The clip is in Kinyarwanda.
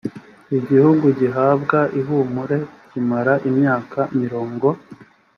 igihugu gihabwa ihumure kimara imyaka mirongo